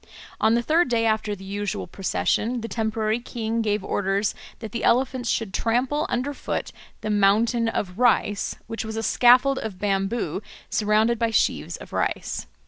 On the third day, after the usual procession, the temporary king gave orders that the elephants should trample under foot the "mountain of rice," which was a scaffold of bamboo surrounded by sheaves of rice.